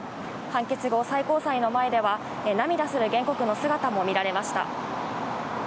判決後、最高裁の前では、涙する原告の姿も見られました。